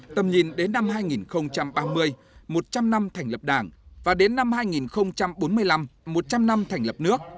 tầm nhìn đến năm hai nghìn ba mươi một trăm linh năm thành lập đảng và đến năm hai nghìn bốn mươi năm một trăm linh năm thành lập nước